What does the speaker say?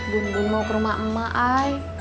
bun bun mau ke rumah emak ay